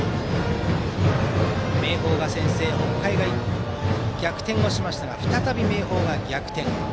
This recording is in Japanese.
明豊が先制北海が逆転しましたが再び明豊が逆転。